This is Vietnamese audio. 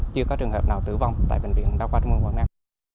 chưa có trường hợp nào tử vong tại bệnh viện đa khoa trung mương quảng nam